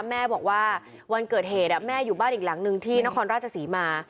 แม่บอกว่าวันเกิดเหตุแม่อยู่บ้านอีกหลังนึงที่นครราชศรีมา